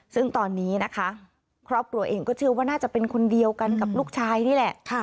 ซึ่งตอนนี้นะคะครอบครัวเองก็เชื่อว่าน่าจะเป็นคนเดียวกันกับลูกชายนี่แหละ